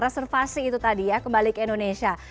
reservasi itu tadi ya kembali ke indonesia